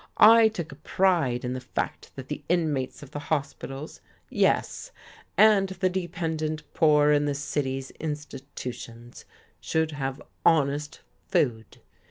I took a pride in the fact that the inmates of the hospitals, yes, and the dependent poor in the city's institutions, should have honest food.